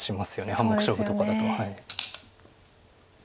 半目勝負とかだと。